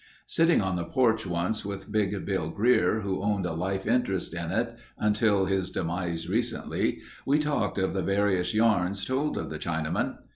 Sitting on the porch once with Big Bill Greer, who owned a life interest in it until his demise recently, we talked of the various yarns told of the Chinaman.